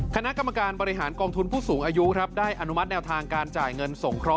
คณะกรรมการบริหารกองทุนผู้สูงอายุครับได้อนุมัติแนวทางการจ่ายเงินสงเคราะห